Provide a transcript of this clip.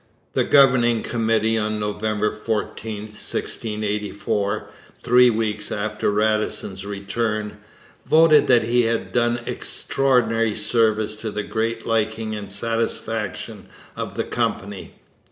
The Governing Committee on November 14, 1684, three weeks after Radisson's return, voted that he had 'done extraordinary service to the great liking and satisfaction of the Company...